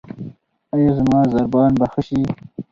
ایا زما ضربان به ښه شي؟